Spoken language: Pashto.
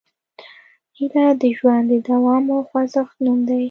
هیله د ژوند د دوام او خوځښت نوم دی.